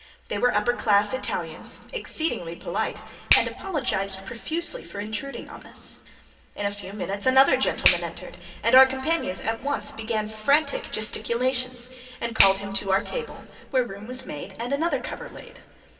They were upper class Italians, exceedingly polite, and apologized profusely for intruding upon us. In a few minutes another gentleman entered and our companions at once began frantic gesticulations and called him to our table, where room was made and another cover laid.